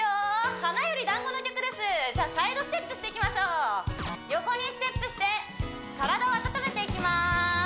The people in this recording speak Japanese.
「花より男子」の曲ですじゃサイドステップしていきましょう横にステップして体を温めていきます